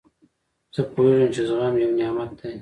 زه پوهېږم، چي زغم یو نعمت دئ.